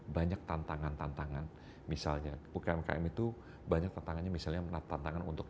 banyak tantangan tantangan misalnya umkm itu banyak tantangannya misalnya tantangan untuk